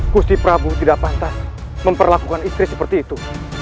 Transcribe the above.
kursi prabu tidak pantas memperlakukan istri seperti itu